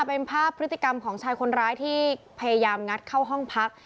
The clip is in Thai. เป็นภาพพฤติกรรมของชายคนร้ายที่พยายามงัดเข้าห้องพัก